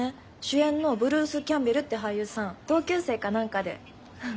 主演のブルース・キャンベルって俳優さん同級生か何かで。